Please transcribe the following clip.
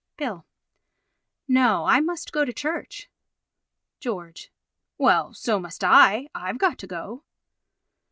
Bill: No, I must go to church. George: Well, so must I; I've got to go.